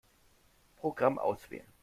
Programm auswählen.